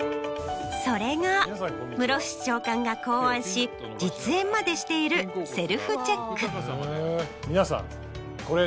それが室伏長官が考案し実演までしている「セルフチェック」。